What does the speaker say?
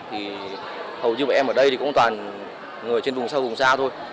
hầu như bọn em ở đây cũng toàn người ở trên vùng xa vùng xa thôi